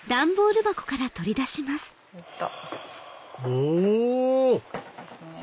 お！